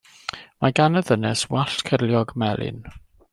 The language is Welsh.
Mae gan y ddynes wallt cyrliog melyn.